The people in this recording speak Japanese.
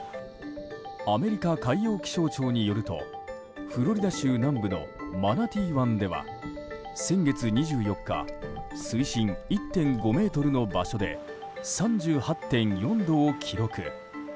アメリカ海洋気象庁によるとフロリダ州南部のマナティー湾では先月２４日水深１．５ｍの場所で３８．４度を記録。